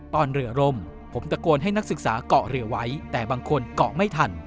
ตอนเรือร่มผมตะโกนให้นักศึกษาเกาะเรือไว้แต่บางคนเกาะไม่ทัน